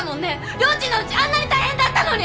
りょーちんのうちあんなに大変だったのに！